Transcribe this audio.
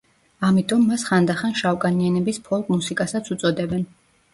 ამიტომ მას ხანდახან შავკანიანების ფოლკ მუსიკასაც უწოდებენ.